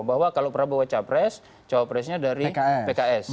bahwa kalau prabowo capres cawapresnya dari pks